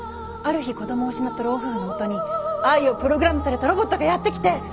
ある日子どもを失った老夫婦のもとに愛をプログラムされたロボットがやって来て。